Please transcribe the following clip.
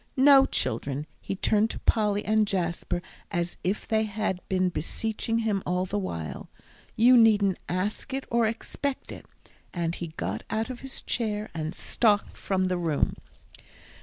No, children," he turned to Polly and Jasper, as if they had been beseeching him all the while, "you needn't ask it, or expect it," and he got out of his chair, and stalked from the room.